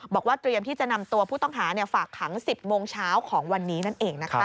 เตรียมที่จะนำตัวผู้ต้องหาฝากขัง๑๐โมงเช้าของวันนี้นั่นเองนะคะ